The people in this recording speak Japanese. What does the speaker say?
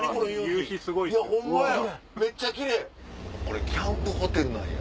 これキャンプホテルなんや。